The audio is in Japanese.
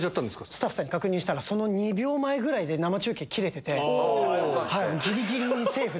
スタッフさんに確認したらその２秒前ぐらいで生中継切れてて。